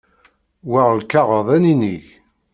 War lkaɣeḍ ad ninig.